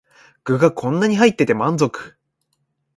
具がこんなに入ってて満足